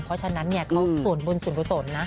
เพราะฉะนั้นเขาส่วนบุญส่วนประสงค์นะ